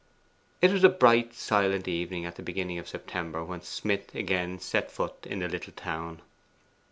It was a bright silent evening at the beginning of September when Smith again set foot in the little town.